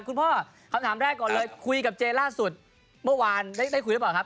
คำถามแรกก่อนเลยคุยกับเจล่าสุดเมื่อวานได้คุยหรือเปล่าครับ